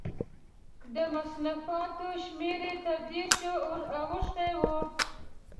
د مصنفاتو شمېر یې تر دېرشو اوښتی و.